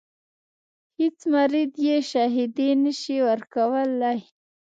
هیڅ مرید یې شاهدي نه شي ورکولای.